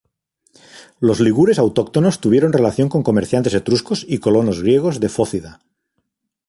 Los ligures autóctonos tuvieron relación con comerciantes etruscos y colonos griegos de Fócida.